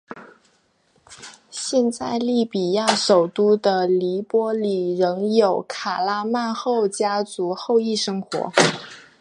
现在利比亚首都的黎波里仍有卡拉曼里家族后裔生活。